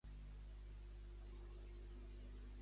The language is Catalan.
Em dic Llop Fernandes: efa, e, erra, ena, a, ena, de, e, essa.